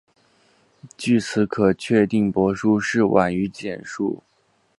据此可确认帛书是晚于简书。